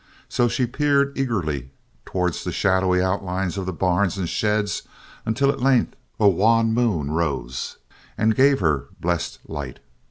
So she peered eagerly towards the shadowy outlines of the barns and sheds until at length a wan moon rose and gave her blessed light.